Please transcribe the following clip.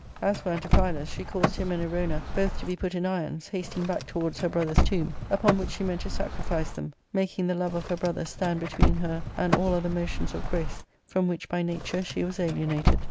As for Antiphilus, she caused him and Erona both to be put in irons, hasting back towards her brother's tomb, upon which she meant to sacrifice them, making the love of her brother stand between her and all other motions of grace, from which by nature she was alienated.